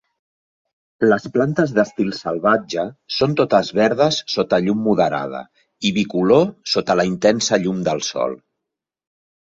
Les plantes d'estil salvatge són totes verdes sota llum moderada i bicolor sota la intensa llum del sol.